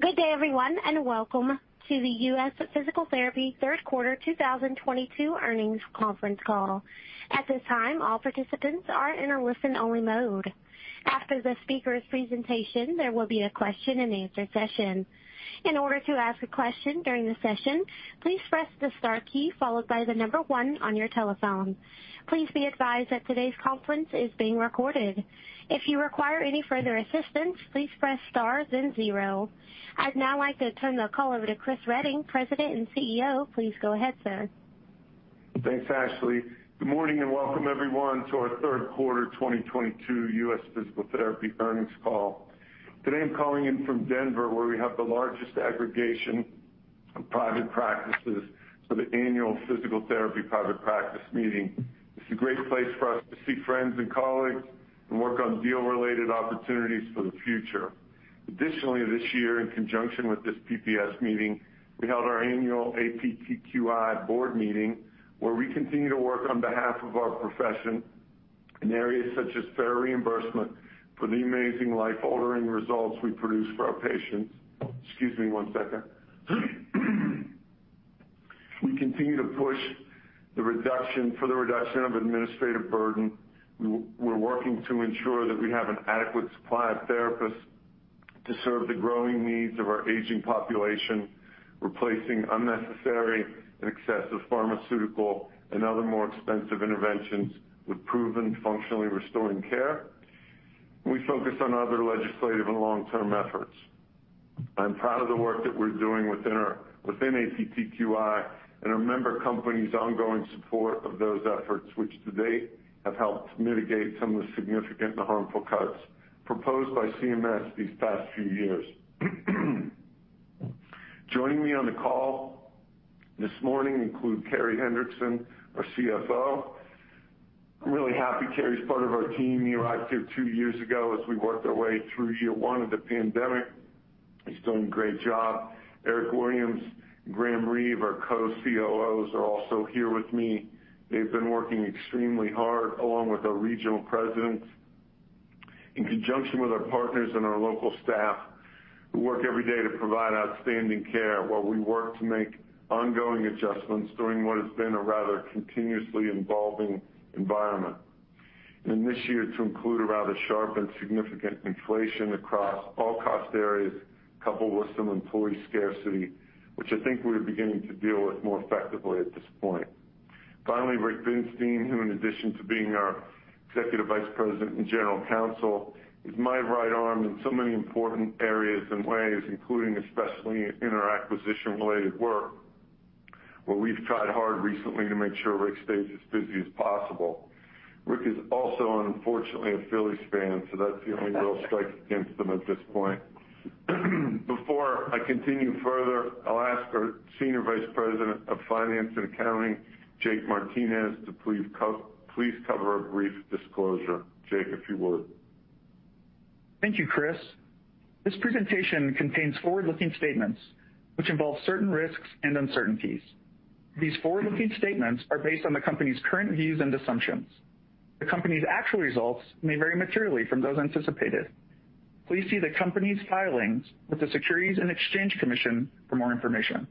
Good day, everyone, and welcome to the U.S. Physical Therapy third quarter 2022 earnings conference call. At this time, all participants are in a listen-only mode. After the speaker's presentation, there will be a question-and-answer session. In order to ask a question during the session, please press the star key followed by the number one on your telephone. Please be advised that today's conference is being recorded. If you require any further assistance, please press star then zero. I'd now like to turn the call over to Chris Reading, President and CEO. Please go ahead, sir. Thanks, Ashley. Good morning and welcome everyone to our third quarter 2022 U.S. Physical Therapy earnings call. Today, I'm calling in from Denver, where we have the largest aggregation of private practices for the annual physical therapy private practice meeting. It's a great place for us to see friends and colleagues and work on deal-related opportunities for the future. Additionally, this year, in conjunction with this PPS meeting, we held our annual APTQI board meeting, where we continue to work on behalf of our profession in areas such as fair reimbursement for the amazing life-altering results we produce for our patients. Excuse me one second. We continue to push for the reduction of administrative burden. We're working to ensure that we have an adequate supply of therapists to serve the growing needs of our aging population, replacing unnecessary and excessive pharmaceutical and other more expensive interventions with proven functionally restoring care. We focus on other legislative and long-term efforts. I'm proud of the work that we're doing within our APTQI and our member company's ongoing support of those efforts, which to date have helped mitigate some of the significant and harmful cuts proposed by CMS these past few years. Joining me on the call this morning include Carey Hendrickson, our CFO. I'm really happy Carey's part of our team. He arrived here two years ago as we worked our way through year one of the pandemic. He's doing a great job. Eric Williams, Graham Reeve, our Co-COOs, are also here with me. They've been working extremely hard along with our regional presidents in conjunction with our partners and our local staff who work every day to provide outstanding care while we work to make ongoing adjustments during what has been a rather continuously evolving environment. This year to include a rather sharp and significant inflation across all cost areas, coupled with some employee scarcity, which I think we're beginning to deal with more effectively at this point. Finally, Rick Binstein, who in addition to being our Executive Vice President and General Counsel, is my right arm in so many important areas and ways, including especially in our acquisition-related work, where we've tried hard recently to make sure Rick stays as busy as possible. Rick is also, unfortunately, a Phillies fan, so that's the only real strike against him at this point. Before I continue further, I'll ask our Senior Vice President of Finance and Accounting, Jake Martinez, to please cover a brief disclosure. Jake, if you would. Thank you, Chris. This presentation contains forward-looking statements which involve certain risks and uncertainties. These forward-looking statements are based on the company's current views and assumptions. The company's actual results may vary materially from those anticipated. Please see the company's filings with the Securities and Exchange Commission for more information.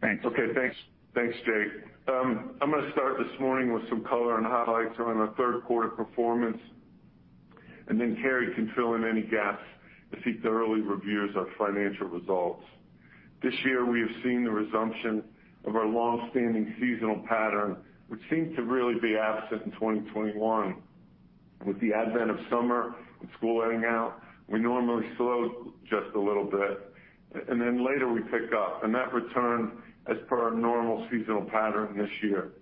Thanks. Okay, thanks. Thanks, Jake. I'm gonna start this morning with some color and highlights around our third quarter performance, and then Carey can fill in any gaps as he thoroughly reviews our financial results. This year, we have seen the resumption of our long-standing seasonal pattern, which seemed to really be absent in 2021. With the advent of summer and school letting out, we normally slowed just a little bit, and then later we pick up, and that returned as per our normal seasonal pattern this year.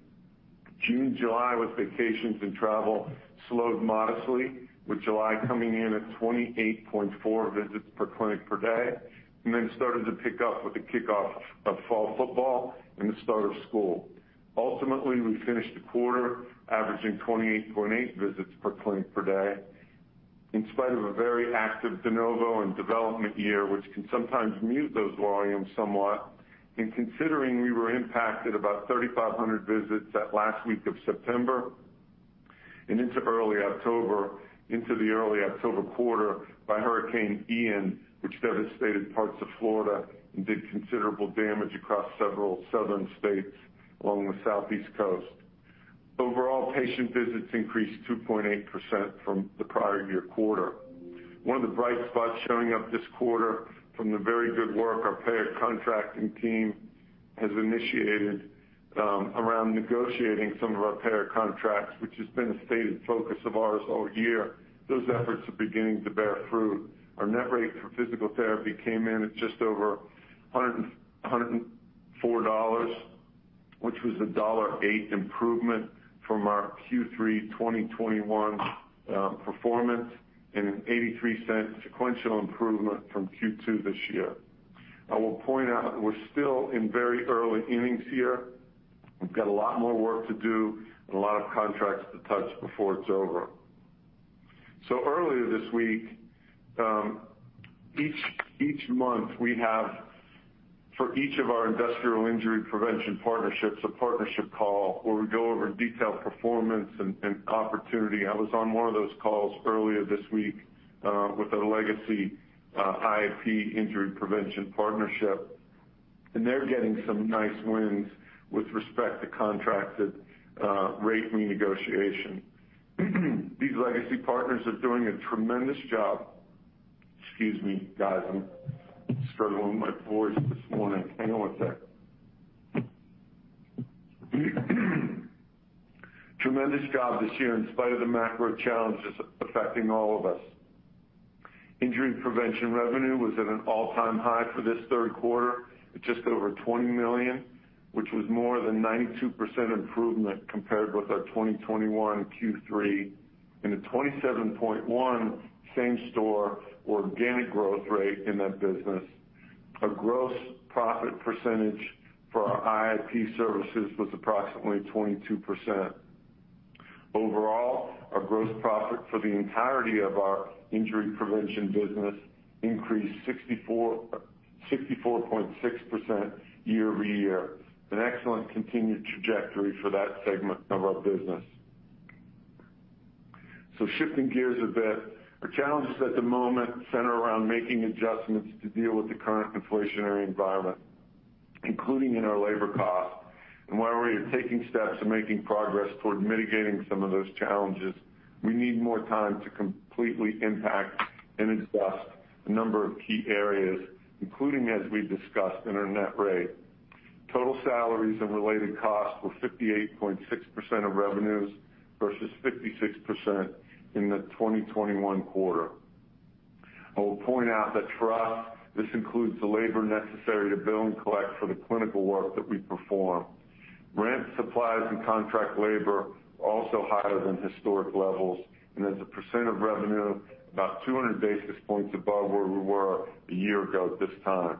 June, July, with vacations and travel, slowed modestly, with July coming in at 28.4 visits per clinic per day and then started to pick up with the kickoff of fall football and the start of school. Ultimately, we finished the quarter averaging 28.8 visits per clinic per day. In spite of a very active de novo and development year, which can sometimes mute those volumes somewhat, and considering we were impacted about 3,500 visits that last week of September and into early October, into the early October quarter by Hurricane Ian, which devastated parts of Florida and did considerable damage across several southern states along the Southeast Coast. Overall, patient visits increased 2.8% from the prior year quarter. One of the bright spots showing up this quarter from the very good work our payer contracting team has initiated around negotiating some of our payer contracts, which has been a stated focus of ours all year. Those efforts are beginning to bear fruit. Our net rate for physical therapy came in at just over $104, which was a $1.08 improvement from our Q3 2021 performance and an 83 cent sequential improvement from Q2 this year. I will point out we're still in very early innings here. We've got a lot more work to do and a lot of contracts to touch before it's over. Earlier this week, each month we have for each of our industrial injury prevention partnerships, a partnership call where we go over detailed performance and opportunity. I was on one of those calls earlier this week with a legacy IIP injury prevention partnership, and they're getting some nice wins with respect to contracted rate renegotiation. These legacy partners are doing a tremendous job. Excuse me, guys. I'm struggling with my voice this morning. Hang on one sec. Tremendous job this year in spite of the macro challenges affecting all of us. Injury prevention revenue was at an all-time high for this third quarter at just over $20 million, which was more than 92% improvement compared with our 2021 Q3 and a 27.1 same-store organic growth rate in that business. Our gross profit percentage for our IIP services was approximately 22%. Overall, our gross profit for the entirety of our injury prevention business increased 64.6% year-over-year, an excellent continued trajectory for that segment of our business. Shifting gears a bit, our challenges at the moment center around making adjustments to deal with the current inflationary environment, including in our labor costs. While we are taking steps and making progress toward mitigating some of those challenges, we need more time to completely impact and adjust a number of key areas, including, as we've discussed, in our net rate. Total salaries and related costs were 58.6% of revenues versus 56% in the 2021 quarter. I will point out that for us, this includes the labor necessary to bill and collect for the clinical work that we perform. Rent, supplies, and contract labor also higher than historic levels, and as a percent of revenue, about 200 basis points above where we were a year ago at this time.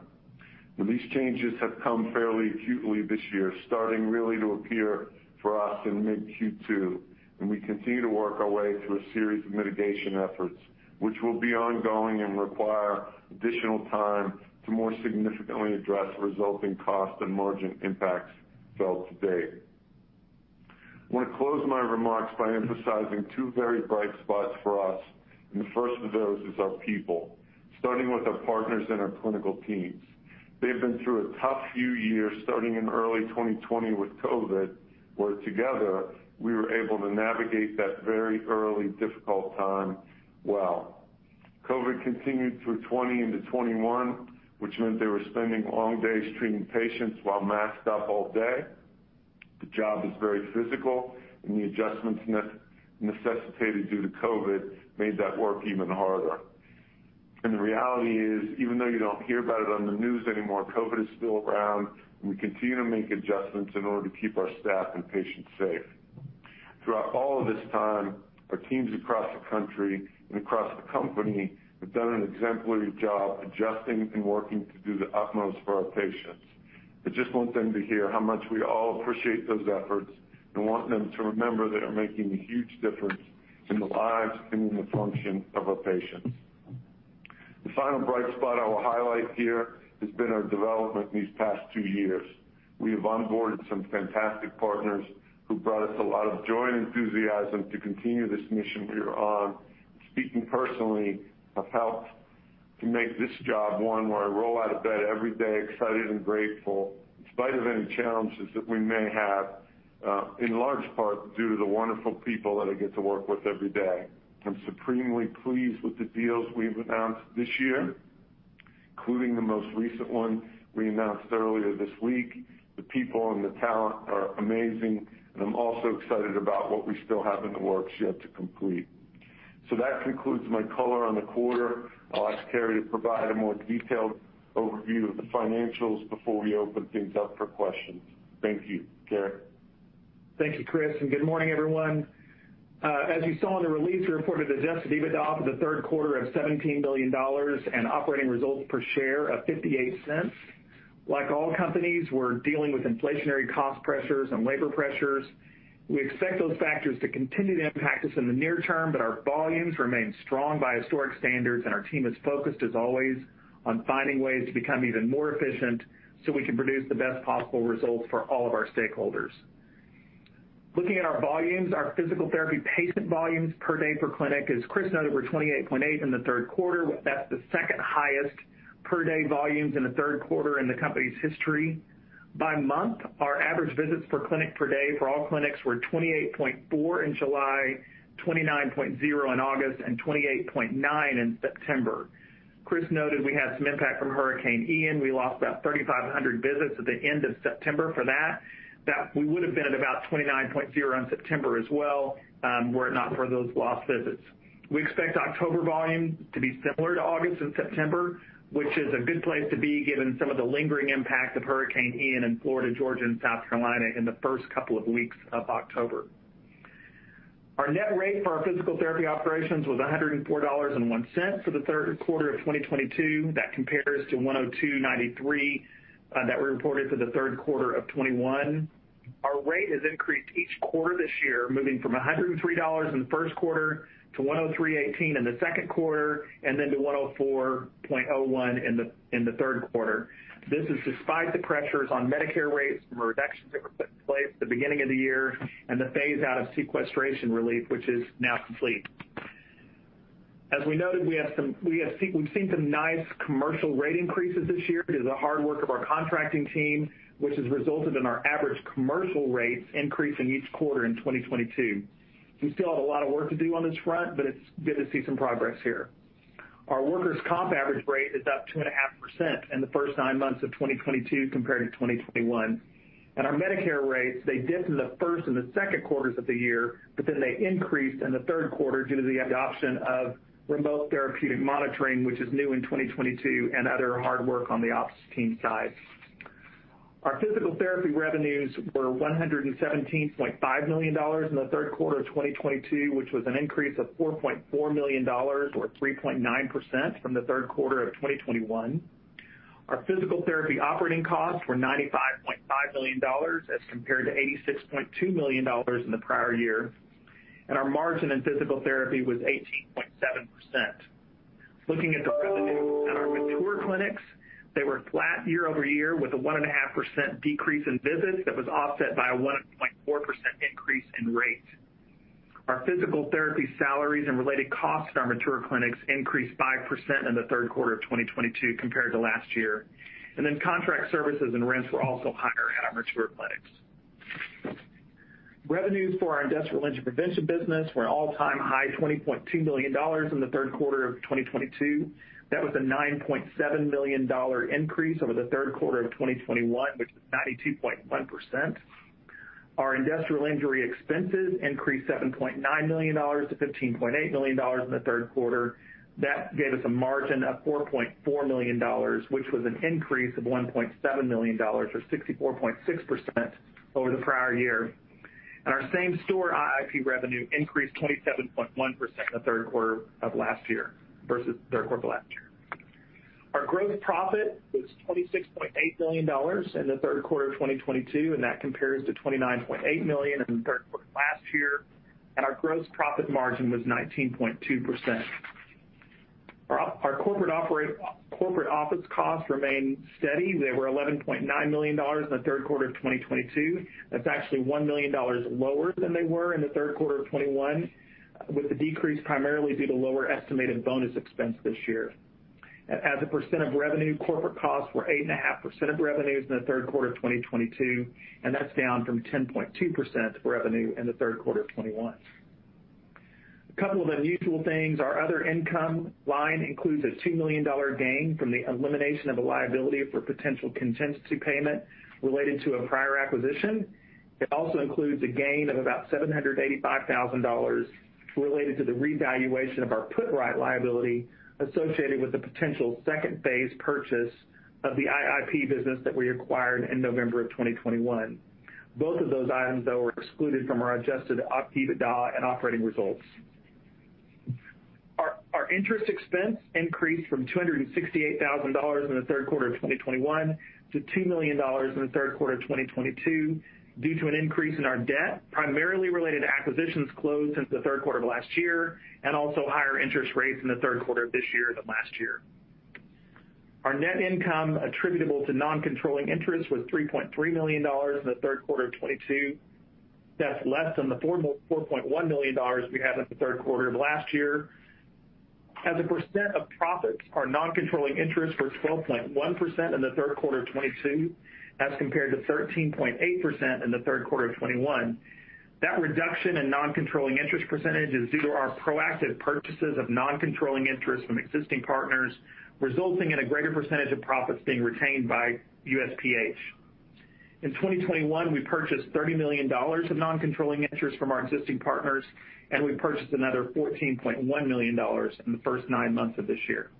These changes have come fairly acutely this year, starting really to appear for us in mid-Q2, and we continue to work our way through a series of mitigation efforts, which will be ongoing and require additional time to more significantly address resulting cost and margin impacts felt to date. I wanna close my remarks by emphasizing two very bright spots for us, and the first of those is our people, starting with our partners and our clinical teams. They've been through a tough few years, starting in early 2020 with COVID, where together we were able to navigate that very early difficult time well. COVID continued through 2020 into 2021, which meant they were spending long days treating patients while masked up all day. The job is very physical, and the adjustments necessitated due to COVID made that work even harder. The reality is, even though you don't hear about it on the news anymore, COVID is still around, and we continue to make adjustments in order to keep our staff and patients safe. Throughout all of this time, our teams across the country and across the company have done an exemplary job adjusting and working to do the utmost for our patients. I just want them to hear how much we all appreciate those efforts and want them to remember they are making a huge difference in the lives and in the function of our patients. The final bright spot I will highlight here has been our development these past two years. We have onboarded some fantastic partners who brought us a lot of joy and enthusiasm to continue this mission we are on. Speaking personally, have helped to make this job one where I roll out of bed every day excited and grateful in spite of any challenges that we may have, in large part due to the wonderful people that I get to work with every day. I'm supremely pleased with the deals we've announced this year, including the most recent one we announced earlier this week. The people and the talent are amazing, and I'm also excited about what we still have in the works yet to complete. That concludes my color on the quarter. I'll ask Carey to provide a more detailed overview of the financials before we open things up for questions. Thank you. Carey? Thank you, Chris, and good morning, everyone. As you saw in the release, we reported adjusted EBITDA for the third quarter of $17 million and operating results per share of $0.58. Like all companies, we're dealing with inflationary cost pressures and labor pressures. We expect those factors to continue to impact us in the near-term, but our volumes remain strong by historic standards, and our team is focused, as always, on finding ways to become even more efficient so we can produce the best possible results for all of our stakeholders. Looking at our volumes, our physical therapy patient volumes per day per clinic, as Chris noted, were 28.8 in the third quarter. That's the second highest per-day volumes in the third quarter in the company's history. By month, our average visits per clinic per day for all clinics were 28.4 in July, 29.0 in August, and 28.9 in September. Chris noted we had some impact from Hurricane Ian. We lost about 3,500 visits at the end of September for that. That we would have been at about 29.0 in September as well, were it not for those lost visits. We expect October volume to be similar to August and September, which is a good place to be given some of the lingering impact of Hurricane Ian in Florida, Georgia, and South Carolina in the first couple of weeks of October. Our net rate for our physical therapy operations was $104.01 for the third quarter of 2022. That compares to 102.93 that we reported for the third quarter of 2021. Our rate has increased each quarter this year, moving from $103 in the first quarter to $103.18 in the second quarter and then to $104.01 in the third quarter. This is despite the pressures on Medicare rates from reductions that were put in place at the beginning of the year and the phase-out of sequestration relief, which is now complete. As we noted, we've seen some nice commercial rate increases this year due to the hard work of our contracting team, which has resulted in our average commercial rates increasing each quarter in 2022. We still have a lot of work to do on this front, but it's good to see some progress here. Our workers' comp average rate is up 2.5% in the first nine months of 2022 compared to 2021. Our Medicare rates, they dipped in the first and the second quarters of the year, but then they increased in the third quarter due to the adoption of Remote Therapeutic Monitoring, which is new in 2022, and other hard work on the ops team side. Our physical therapy revenues were $117.5 million in the third quarter of 2022, which was an increase of $4.4 million or 3.9% from the third quarter of 2021. Our physical therapy operating costs were $95.5 million as compared to $86.2 million in the prior year. Our margin in physical therapy was 18.7%. Looking at the revenues at our mature clinics, they were flat year-over-year with a 1.5% decrease in visits that was offset by a 1.4% increase in rate. Our physical therapy salaries and related costs at our mature clinics increased 5% in the third quarter of 2022 compared to last year. Contract services and rents were also higher at our mature clinics. Revenues for our industrial injury prevention business were an all-time high $20.2 million in the third quarter of 2022. That was a $9.7 million increase over the third quarter of 2021, which was 92.1%. Our industrial injury expenses increased $7.9 million-$15.8 million in the third quarter. That gave us a margin of $4.4 million, which was an increase of $1.7 million or 64.6% over the prior year. Our same-store IIP revenue increased 27.1% in the third quarter of last year versus the third quarter of last year. Our gross profit was $26.8 million in the third quarter of 2022, and that compares to $29.8 million in the third quarter of last year. Our gross profit margin was 19.2%. Our corporate office costs remained steady. They were $11.9 million in the third quarter of 2022. That's actually $1 million lower than they were in the third quarter of 2021, with the decrease primarily due to lower estimated bonus expense this year. As a percent of revenue, corporate costs were 8.5% of revenues in the third quarter of 2022, and that's down from 10.2% of revenue in the third quarter of 2021. A couple of unusual things. Our other income line includes a $2 million gain from the elimination of a liability for potential contingency payment related to a prior acquisition. It also includes a gain of about $785,000 related to the revaluation of our put-right liability associated with the potential second phase purchase of the IIP business that we acquired in November 2021. Both of those items, though, were excluded from our adjusted operating EBITDA and operating results. Our interest expense increased from $268,000 in the third quarter of 2021 to $2 million in the third quarter of 2022 due to an increase in our debt, primarily related to acquisitions closed since the third quarter of last year, and also higher interest rates in the third quarter of this year than last year. Our net income attributable to non-controlling interest was $3.3 million in the third quarter of 2022. That's less than the $4.1 million we had in the third quarter of last year. As a percent of profits, our non-controlling interest was 12.1% in the third quarter of 2022 as compared to 13.8% in the third quarter of 2021. That reduction in non-controlling interest percentage is due to our proactive purchases of non-controlling interest from existing partners, resulting in a greater percentage of profits being retained by USPH. In 2021, we purchased $30 million of non-controlling interest from our existing partners, and we purchased another $14.1 million in the first nine months of this year.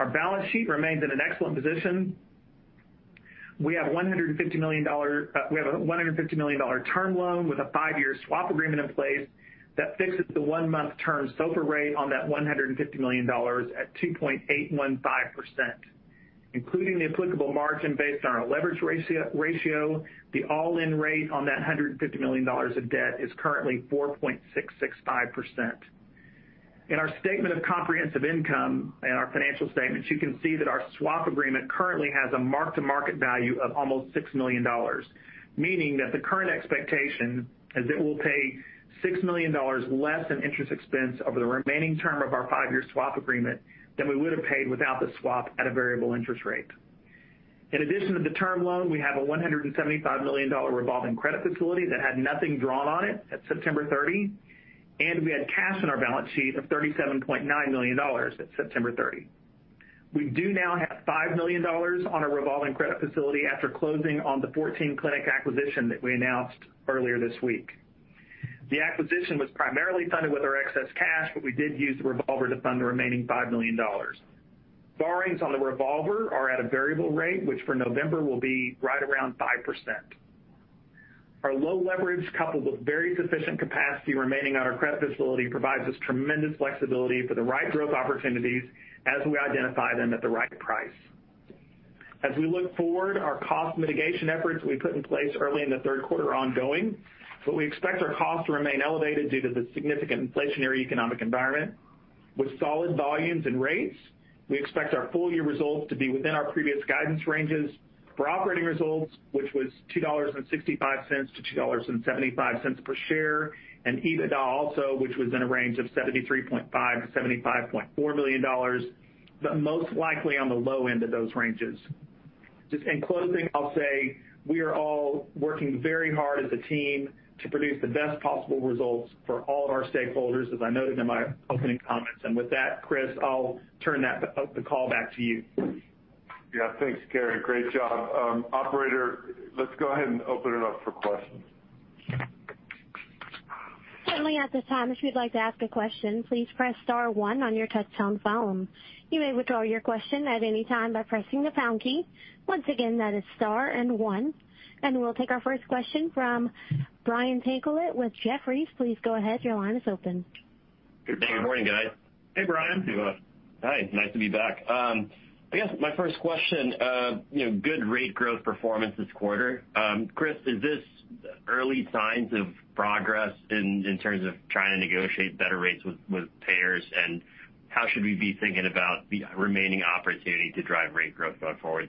Our balance sheet remains in an excellent position. We have a $150 million term loan with a five-year swap agreement in place that fixes the one-month term SOFR rate on that $150 million at 2.815%. Including the applicable margin based on our leverage ratio, the all-in rate on that $150 million of debt is currently 4.665%. In our statement of comprehensive income in our financial statements, you can see that our swap agreement currently has a mark-to-market value of almost $6 million, meaning that the current expectation is it will pay $6 million less in interest expense over the remaining term of our five-year swap agreement than we would have paid without the swap at a variable interest rate. In addition to the term loan, we have a $175 million revolving credit facility that had nothing drawn on it at September 30, and we had cash on our balance sheet of $37.9 million at September 30. We do now have $5 million on our revolving credit facility after closing on the 14-clinic acquisition that we announced earlier this week. The acquisition was primarily funded with our excess cash, but we did use the revolver to fund the remaining $5 million. Borrowings on the revolver are at a variable rate, which for November will be right around 5%. Our low leverage, coupled with very sufficient capacity remaining on our credit facility, provides us tremendous flexibility for the right growth opportunities as we identify them at the right price. As we look forward, our cost mitigation efforts we put in place early in the third quarter are ongoing, but we expect our costs to remain elevated due to the significant inflationary economic environment. With solid volumes and rates, we expect our full year results to be within our previous guidance ranges for operating results, which was $2.65-$2.75 per share, and EBITDA also, which was in a range of $73.5 million-$75.4 million, but most likely on the low end of those ranges. Just in closing, I'll say we are all working very hard as a team to produce the best possible results for all of our stakeholders, as I noted in my opening comments. With that, Chris, I'll turn that, the call back to you. Yeah, thanks, Carey. Great job. Operator, let's go ahead and open it up for questions. Certainly. At this time, if you'd like to ask a question, please press star one on your touchtone phone. You may withdraw your question at any time by pressing the pound key. Once again, that is star and one. We'll take our first question from Brian Tanquilut with Jefferies. Please go ahead. Your line is open. Good morning, guys. Hey, Brian. Hi. Nice to be back. I guess my first question, you know, good rate growth performance this quarter. Chris, is this early signs of progress in terms of trying to negotiate better rates with payers? How should we be thinking about the remaining opportunity to drive rate growth going forward?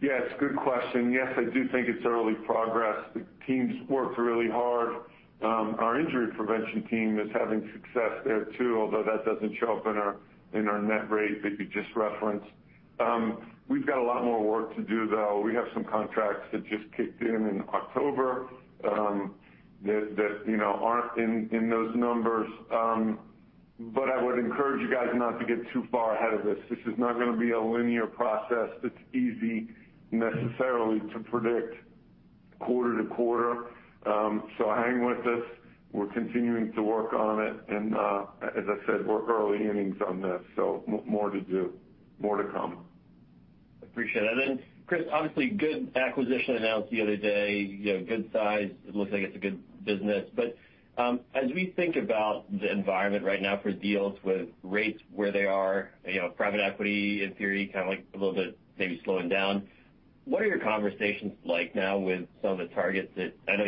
Yeah, it's a good question. Yes, I do think it's early progress. The team's worked really hard. Our injury prevention team is having success there too, although that doesn't show up in our net rate that you just referenced. We've got a lot more work to do, though. We have some contracts that just kicked in in October that you know aren't in those numbers. I would encourage you guys not to get too far ahead of this. This is not gonna be a linear process that's easy necessarily to predict quarter to quarter. Hang with us. We're continuing to work on it and as I said, we're early innings on this, so more to do, more to come. Appreciate it. Chris, obviously, good acquisition announced the other day, you know, good size. It looks like it's a good business. As we think about the environment right now for deals with rates where they are, you know, private equity in theory, kind of like a little bit maybe slowing down, what are your conversations like now with some of the targets that I know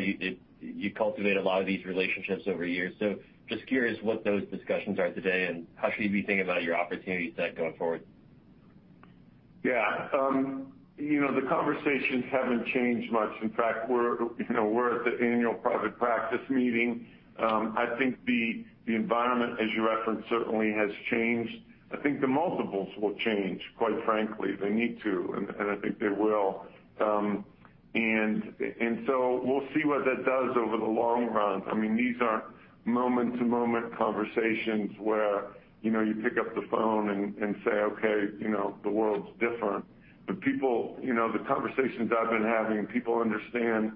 you cultivate a lot of these relationships over years, so just curious what those discussions are today and how should we be thinking about your opportunity set going forward? Yeah. You know, the conversations haven't changed much. In fact, we're, you know, at the annual private practice meeting. I think the environment, as you referenced, certainly has changed. I think the multiples will change, quite frankly. They need to, and I think they will. And so we'll see what that does over the long run. I mean, these aren't moment-to-moment conversations where, you know, you pick up the phone and say, "Okay, you know, the world's different." People, you know, the conversations I've been having, people understand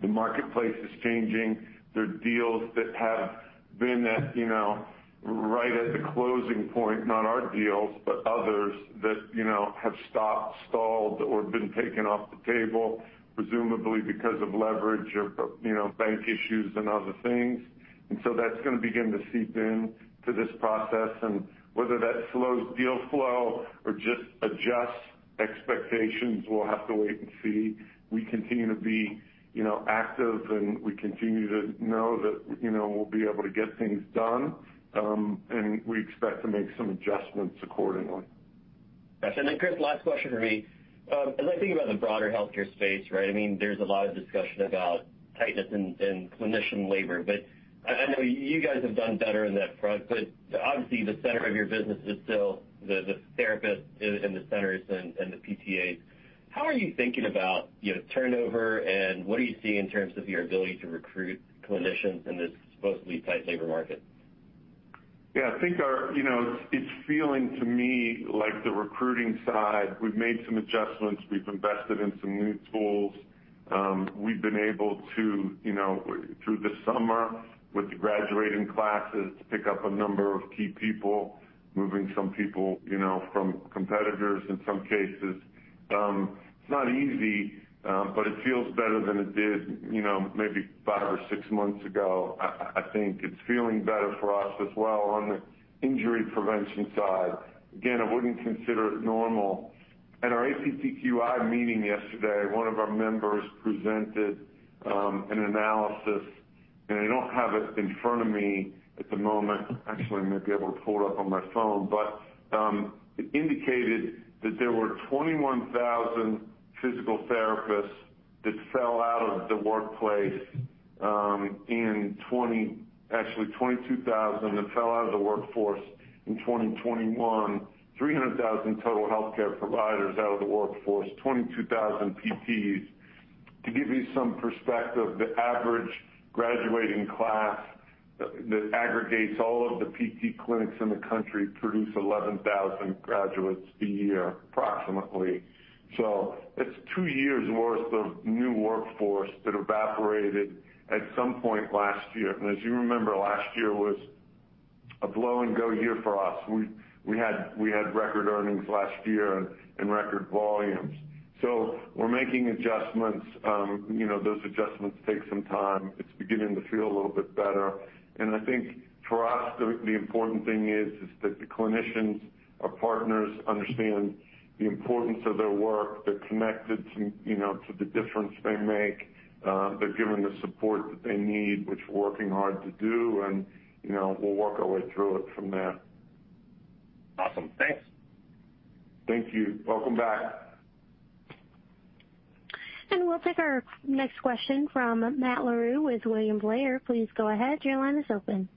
the marketplace is changing. There are deals that have been at, you know, right at the closing point, not our deals, but others that, you know, have stopped, stalled, or been taken off the table, presumably because of leverage or, you know, bank issues and other things. That's gonna begin to seep into this process. Whether that slows deal flow or just adjusts expectations, we'll have to wait and see. We continue to be, you know, active, and we continue to know that, you know, we'll be able to get things done, and we expect to make some adjustments accordingly. Got you. Then Chris, last question from me. As I think about the broader healthcare space, right? I mean, there's a lot of discussion about tightness in clinician labor. I know you guys have done better on that front. But obviously the center of your business is still the therapist in the centers and the PTAs. How are you thinking about, you know, turnover and what do you see in terms of your ability to recruit clinicians in this supposedly tight labor market? Yeah, I think. You know, it's feeling to me like the recruiting side, we've made some adjustments. We've invested in some new tools. We've been able to, you know, through the summer with the graduating classes, to pick up a number of key people, moving some people, you know, from competitors in some cases. It's not easy, but it feels better than it did, you know, maybe five or six months ago. I think it's feeling better for us as well on the injury prevention side. Again, I wouldn't consider it normal. At our APTQI meeting yesterday, one of our members presented an analysis, and I don't have it in front of me at the moment. Actually, I might be able to pull it up on my phone. It indicated that there were 22,000 physical therapists that fell out of the workforce in 2021. 300,000 total healthcare providers out of the workforce, 22,000 PTs. To give you some perspective, the average graduating class that aggregates all of the PT clinics in the country produce 11,000 graduates a year approximately. It's two years' worth of new workforce that evaporated at some point last year. As you remember, last year was a blowout year for us. We had record earnings last year and record volumes. We're making adjustments. You know, those adjustments take some time. It's beginning to feel a little bit better. I think for us, the important thing is that the clinicians, our partners understand the importance of their work. They're connected to, you know, to the difference they make. They're given the support that they need, which we're working hard to do, and, you know, we'll work our way through it from there. Awesome. Thanks. Thank you. Welcome back. We'll take our next question from Matt Larew with William Blair. Please go ahead. Your line is open.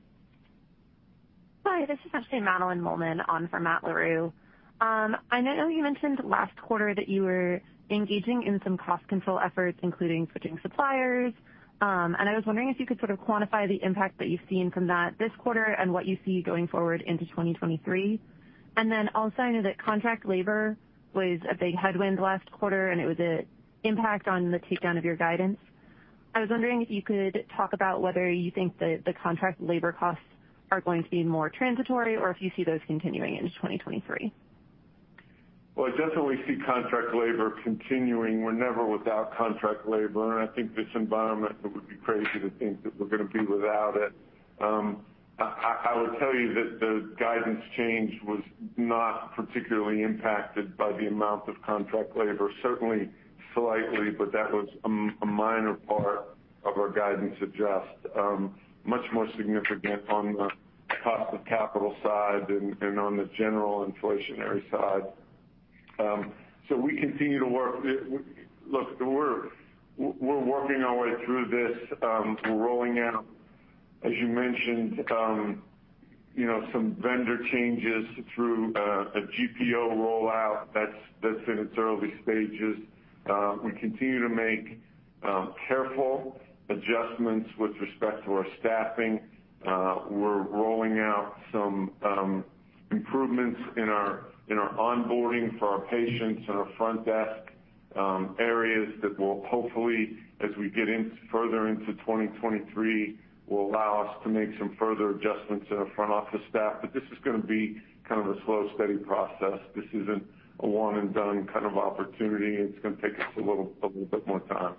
Hi, this is actually Madeline Mullin on for Matt Larew. I know you mentioned last quarter that you were engaging in some cost control efforts, including switching suppliers. I was wondering if you could sort of quantify the impact that you've seen from that this quarter and what you see going forward into 2023. Then also, I know that contract labor was a big headwind last quarter, and it was a impact on the takedown of your guidance. I was wondering if you could talk about whether you think the contract labor costs are going to be more transitory or if you see those continuing into 2023. Well, I definitely see contract labor continuing. We're never without contract labor, and I think this environment, it would be crazy to think that we're gonna be without it. I would tell you that the guidance change was not particularly impacted by the amount of contract labor. Certainly slightly, but that was a minor part of our guidance adjust. Much more significant on the cost of capital side and on the general inflationary side. We continue to work. Look, we're working our way through this. We're rolling out, as you mentioned, you know, some vendor changes through a GPO rollout that's in its early stages. We continue to make careful adjustments with respect to our staffing. We're rolling out some improvements in our onboarding for our patients in our front desk areas that will hopefully, as we get further into 2023, will allow us to make some further adjustments in our front office staff. This is gonna be kind of a slow, steady process. This isn't a one-and-done kind of opportunity. It's gonna take us a little bit more time.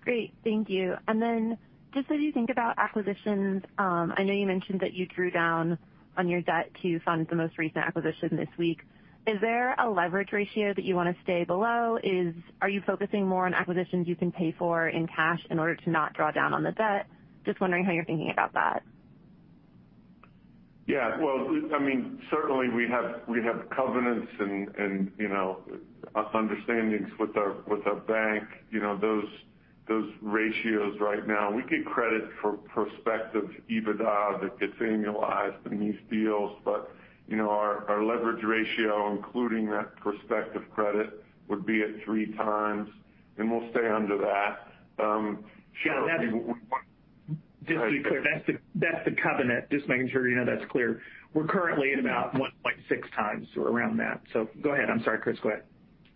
Great. Thank you. Then just as you think about acquisitions, I know you mentioned that you drew down on your debt to fund the most recent acquisition this week. Is there a leverage ratio that you wanna stay below? Are you focusing more on acquisitions you can pay for in cash in order to not draw down on the debt? Just wondering how you're thinking about that. Yeah. Well, I mean, certainly we have covenants and, you know, mutual understandings with our bank, you know, those ratios right now. We get credit for prospective EBITDA that gets annualized in these deals. You know, our leverage ratio, including that prospective credit, would be at 3x, and we'll stay under that. Sure, I mean, we want- Just to be clear, that's the covenant. Just making sure, you know, that's clear. We're currently at about 1.6 times or around that. Go ahead. I'm sorry, Chris, go ahead.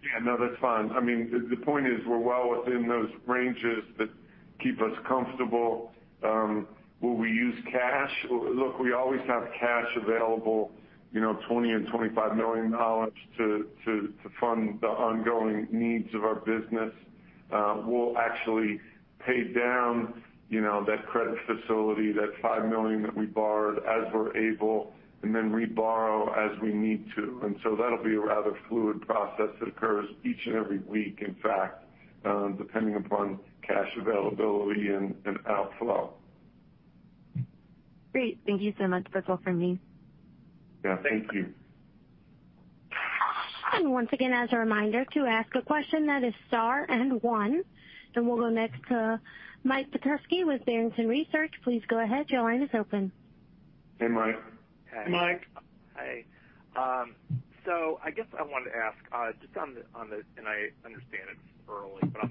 Yeah. No, that's fine. I mean, the point is we're well within those ranges that keep us comfortable. Will we use cash? Look, we always have cash available, you know, $20 million-$25 million to fund the ongoing needs of our business. We'll actually pay down, you know, that credit facility, that $5 million that we borrowed as we're able, and then reborrow as we need to. That'll be a rather fluid process that occurs each and every week, in fact, depending upon cash availability and outflow. Great. Thank you so much. That's all for me. Yeah, thank you. Once again, as a reminder to ask a question that is star and one, and we'll go next to Mike Petusky with Barrington Research. Please go ahead. Your line is open. Hey, Mike. Hey. Mike. Hi. I guess I wanted to ask just on the GPO rollout. I understand it's early, but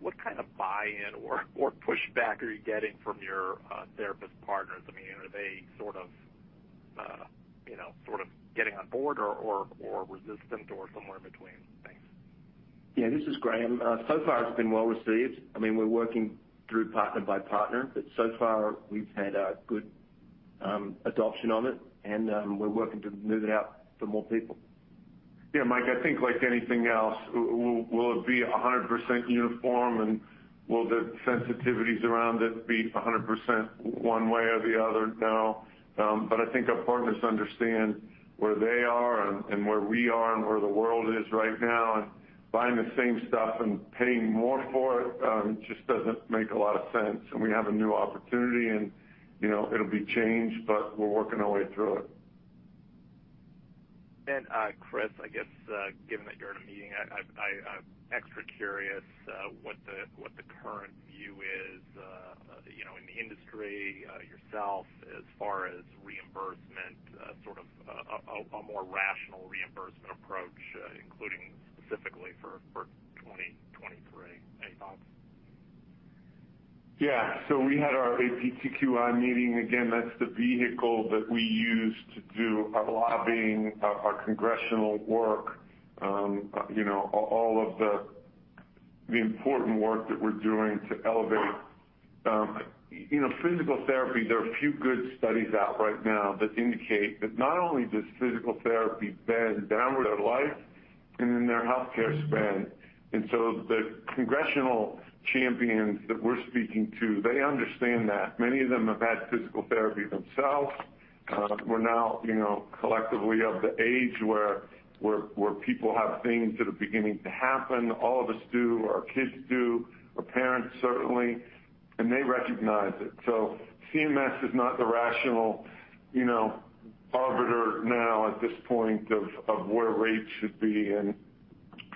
what kind of buy-in or pushback are you getting from your therapist partners? I mean, are they sort of you know sort of getting on board or resistant or somewhere between? Thanks. Yeah, this is Graham. So far it's been well received. I mean, we're working through partner by partner, but so far we've had a good adoption on it, and we're working to move it out to more people. Yeah, Mike, I think like anything else, will it be 100% uniform and will the sensitivities around it be 100% one way or the other? No. I think our partners understand where they are and where we are and where the world is right now. Buying the same stuff and paying more for it just doesn't make a lot of sense. We have a new opportunity, and you know, it'll be changed, but we're working our way through it. Chris, I guess, given that you're in a meeting, I'm extra curious what the current view is, you know, in the industry, yourself as far as reimbursement, sort of a more rational reimbursement approach, including specifically for 2023. Any thoughts? Yeah. We had our APTQI meeting. Again, that's the vehicle that we use to do our lobbying, our congressional work, all of the important work that we're doing to elevate physical therapy. There are a few good studies out right now that indicate that not only does physical therapy bend down their life and then their healthcare spend. The congressional champions that we're speaking to, they understand that. Many of them have had physical therapy themselves. We're now collectively of the age where people have things that are beginning to happen. All of us do, our kids do, our parents certainly, and they recognize it. CMS is not the rational, you know, arbiter now at this point of where rates should be, and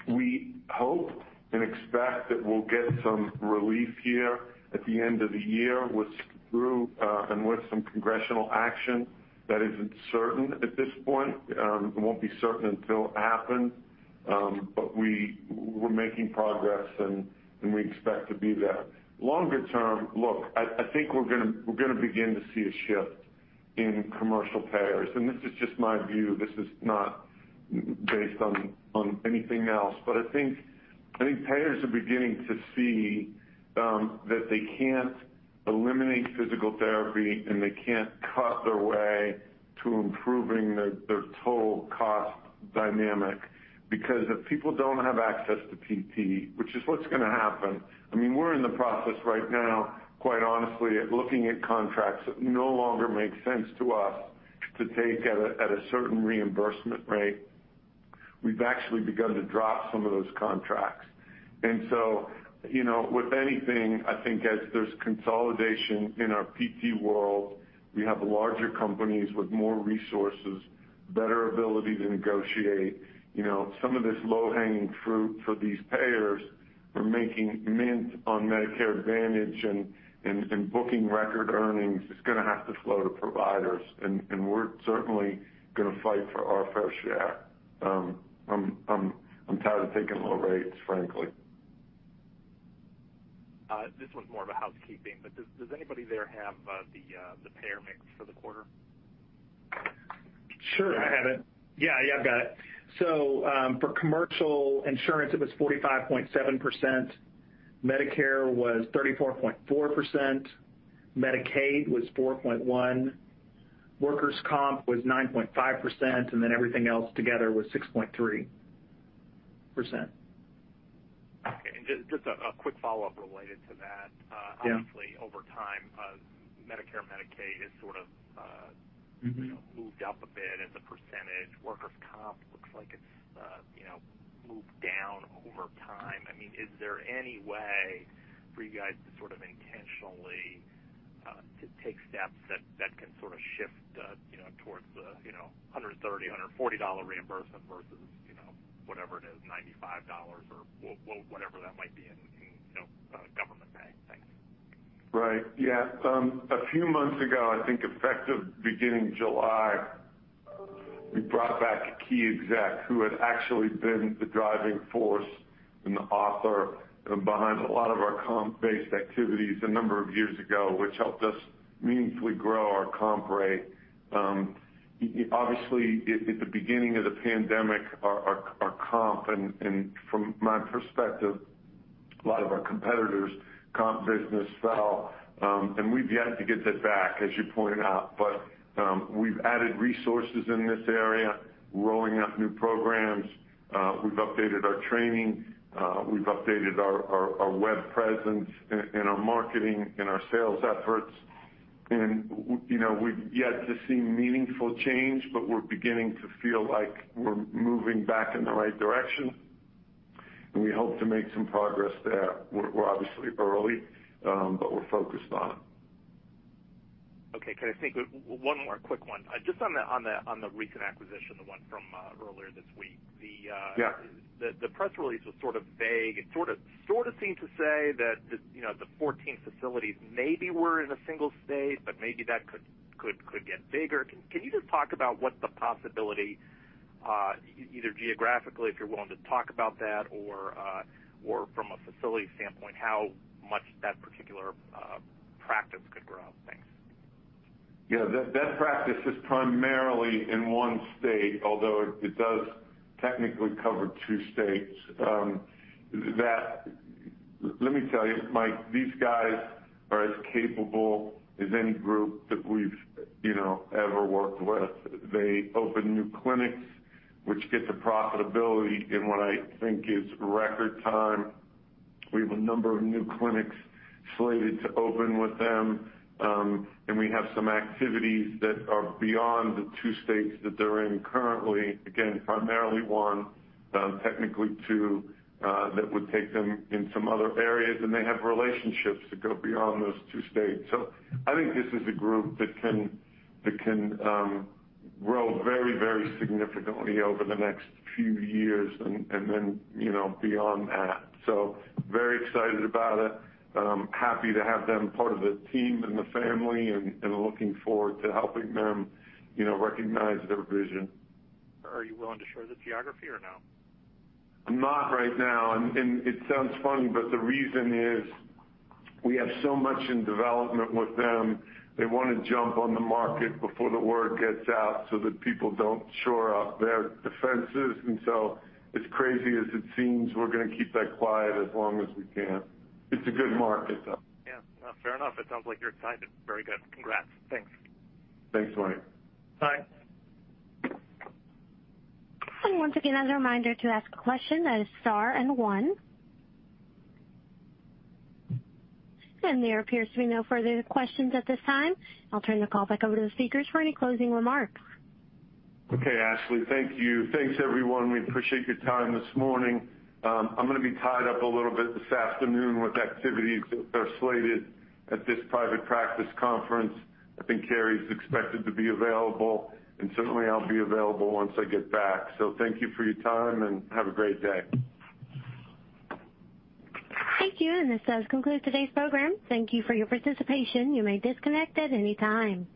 we hope and expect that we'll get some relief here at the end of the year and with some congressional action that isn't certain at this point. It won't be certain until it happens. We're making progress and we expect to be there. Longer-term, I think we're gonna begin to see a shift in commercial payers, and this is just my view. This is not based on anything else. I think payers are beginning to see that they can't eliminate physical therapy, and they can't cut their way to improving their total cost dynamic. Because if people don't have access to PT, which is what's gonna happen, I mean, we're in the process right now, quite honestly, at looking at contracts that no longer make sense to us to take at a certain reimbursement rate. We've actually begun to drop some of those contracts. You know, with anything, I think as there's consolidation in our PT world, we have larger companies with more resources, better ability to negotiate. You know, some of this low-hanging fruit for these payers are making mint on Medicare Advantage and booking record earnings is gonna have to flow to providers. We're certainly gonna fight for our fair share. I'm tired of taking low rates, frankly. This one's more of a housekeeping, but does anybody there have the payer mix for the quarter? Sure. I have it. Yeah, I've got it. For commercial insurance, it was 45.7%. Medicare was 34.4%. Medicaid was 4.1%. Workers' comp was 9.5%, and then everything else together was 6.3%. Okay. Just a quick follow-up related to that. Yeah. Obviously, over time, Medicare, Medicaid has sort of. Mm-hmm. You know, moved up a bit as a percentage. Workers' comp looks like it's moved down over time. I mean, is there any way for you guys to sort of intentionally to take steps that can sort of shift towards the $130-$140 reimbursement versus whatever it is, $95 or whatever that might be in government pay? Thanks. Right. Yeah. A few months ago, I think effective beginning July, we brought back a key exec who had actually been the driving force and the author behind a lot of our comp-based activities a number of years ago, which helped us meaningfully grow our comp rate. Obviously at the beginning of the pandemic, our comp and from my perspective, a lot of our competitors' comp business fell. We've yet to get that back, as you pointed out. We've added resources in this area, rolling out new programs. We've updated our training. We've updated our web presence and our marketing and our sales efforts. You know, we've yet to see meaningful change, but we're beginning to feel like we're moving back in the right direction, and we hope to make some progress there. We're obviously early, but we're focused on it. Okay. Can I take one more quick one? Just on the recent acquisition, the one from earlier this week. Yeah. The press release was sort of vague. It sorta seemed to say that you know the 14 facilities maybe were in a single state, but maybe that could get bigger. Can you just talk about what the possibility either geographically if you're willing to talk about that or from a facility standpoint, how much that particular practice could grow? Thanks. That practice is primarily in one state, although it does technically cover two states. Let me tell you, Mike, these guys are as capable as any group that we've, you know, ever worked with. They open new clinics which get to profitability in what I think is record time. We have a number of new clinics slated to open with them. We have some activities that are beyond the two states that they're in currently. Again, primarily one, technically two, that would take them in some other areas, and they have relationships that go beyond those two states. I think this is a group that can grow very, very significantly over the next few years and then, you know, beyond that. Very excited about it. Happy to have them part of the team and the family and looking forward to helping them, you know, recognize their vision. Are you willing to share the geography or no? I'm not right now. It sounds funny, but the reason is we have so much in development with them. They wanna jump on the market before the word gets out so that people don't shore up their defenses. As crazy as it seems, we're gonna keep that quiet as long as we can. It's a good market, though. Yeah. No, fair enough. It sounds like you're excited. Very good. Congrats. Thanks. Thanks, Mike. Bye. Once again, as a reminder, to ask a question, that is star and one. There appears to be no further questions at this time. I'll turn the call back over to the speakers for any closing remarks. Okay. Ashley, thank you. Thanks, everyone. We appreciate your time this morning. I'm gonna be tied up a little bit this afternoon with activities that are slated at this private practice conference. I think Carey's expected to be available and certainly I'll be available once I get back. Thank you for your time, and have a great day. Thank you. This does conclude today's program. Thank you for your participation. You may disconnect at any time.